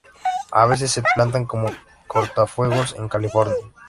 A veces se plantan como cortafuegos en California.